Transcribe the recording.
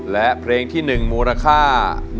และเพลงที่๑มูลค่า